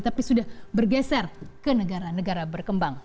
tapi sudah bergeser ke negara negara berkembang